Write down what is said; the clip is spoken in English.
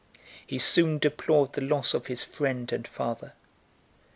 He soon deplored the loss of his friend and father.